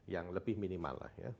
yang lebih minimal lah ya